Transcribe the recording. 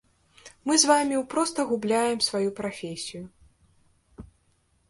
Мы з вамі ў проста губляем сваю прафесію.